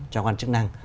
cho quan chức năng